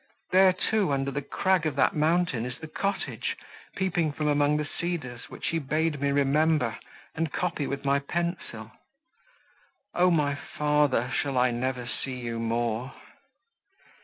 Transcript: There, too, under the crag of that mountain, is the cottage, peeping from among the cedars, which he bade me remember, and copy with my pencil. O my father, shall I never see you more!"